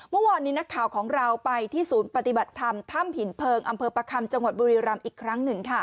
เมื่อวานนี้นักข่าวของเราไปที่ศูนย์ปฏิบัติธรรมถ้ำหินเพลิงอำเภอประคำจังหวัดบุรีรำอีกครั้งหนึ่งค่ะ